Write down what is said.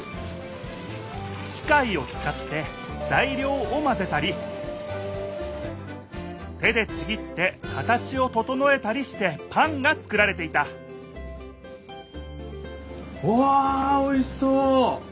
きかいをつかってざいりょうをまぜたり手でちぎって形をととのえたりしてパンが作られていたうわおいしそう！